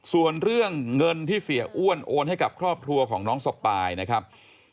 ส่วนเรื่องเงินที่เสียอ้วนโอนให้กับครอบครัวของน้องสปายนะครับ